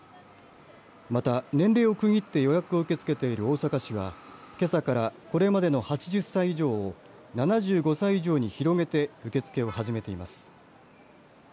また、年齢を区切って予約を受け付けている大阪市はけさからこれまでの８０歳以上を７５歳以上に広げて受け付けを始めています。